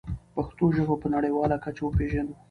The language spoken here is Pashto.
پښتو ژبه په نړیواله کچه وپېژنو.